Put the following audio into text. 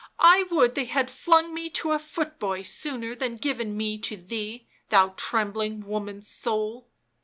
I would they had flung me to a foot boy sooner than given me to thee— thou trembling woman's soul